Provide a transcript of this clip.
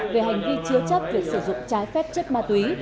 về hành vi chứa chấp việc sử dụng trái phép chất ma túy